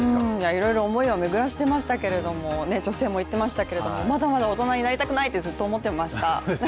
いろいろ思いを巡らせていましたけれども、女性も言っていましたけど、まだまだ大人になりたくないってずっと思ってました。